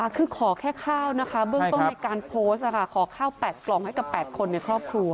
คือขอแค่ข้าวนะคะเบื้องต้นในการโพสต์ขอข้าว๘กล่องให้กับ๘คนในครอบครัว